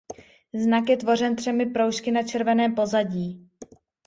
Znak je tvořen třemi proužky na červeném pozadí.